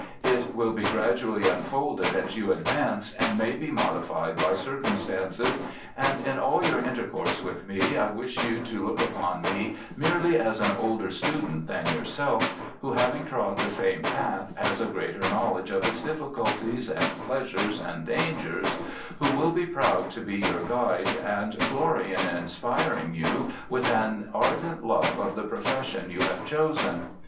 It will be gradually unfolded as you advance, and may be modified by circumstances ; ALFRED STILL^ 247 and in all your intercourse with me I wish you to look upon me merely as an older student than yourself, who, having trod the same path, has a greater knowledge of its difficulties, and pleasures, and dangers ; who will be proud to be your guide, and glory in inspiring you with an ardent love of the profession you have chosen.